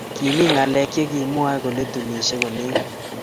Kimii ngalek chekimwoe kole tunishei kolekit